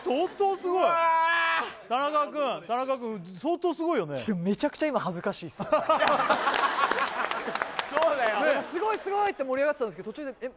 すごいすごいって盛り上がってたんですけど途中でえっ